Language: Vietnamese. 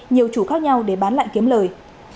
nhiều chủ khác nhau để bán lại kiếm lời